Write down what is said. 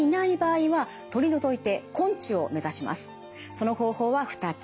その方法は２つ。